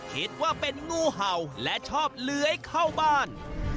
คิดว่าเป็นงูเห่าและชอบเลื้อยเข้าบ้าน